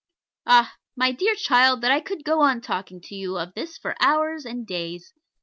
Ah! my dear child, that I could go on talking to you of this for hours and days!